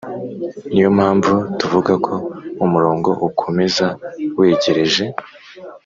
Niyompamvu tuvuga ko umurongo ukomeza wegereje.